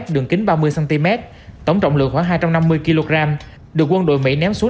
đường kính ba mươi cm tổng trọng lượng khoảng hai trăm năm mươi kg được quân đội mỹ ném xuống